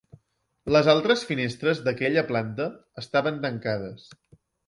Les altres finestres d'aquella planta estaven tancades.